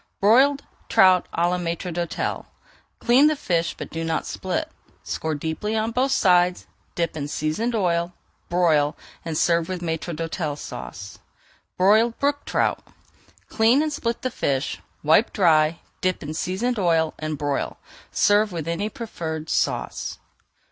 BROILED TROUT À LA MAÎTRE D'HÔTEL Clean the fish but do not split. Score deeply on both sides, dip in seasoned oil, broil, and serve with Maître d'Hôtel Sauce. BROILED BROOK TROUT Clean and split the fish, wipe dry, dip in seasoned oil and broil. [Page 412] Serve with any preferred sauce.